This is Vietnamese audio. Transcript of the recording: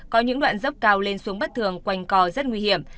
có những đoạn dốc cao lên xuống bất thường quanh co rất nguy hiểm